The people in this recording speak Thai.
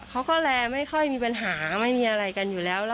เขาก็แลร์ไม่ค่อยมีปัญหาไม่มีอะไรกันอยู่แล้ว